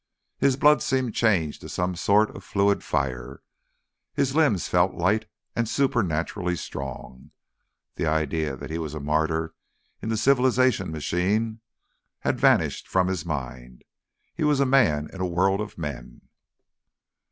His blood seemed changed to some sort of fluid fire, his limbs felt light and supernaturally strong. The idea that he was a martyr in the civilisation machine had vanished from his mind. He was a man in a world of men.